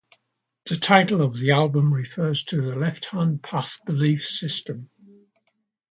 The title of the album refers to the Left-Hand Path belief system.